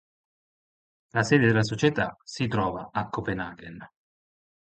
La sede della società si trova a Copenaghen.